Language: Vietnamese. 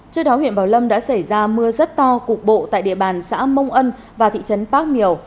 trước đó huyện bảo lâm đã xảy ra mưa rất to cục bộ tại địa bàn xã mông ân và thị trấn bác miều